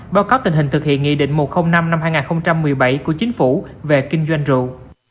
báo cáo tình hình thực hiện nghị định một trăm linh năm năm hai nghìn một mươi bảy của chính phủ về kinh doanh rượu